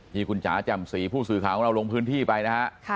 นี่คุณจ๋าจำศรีผู้สื่อข่าวของเราลงพื้นที่ไปนะครับ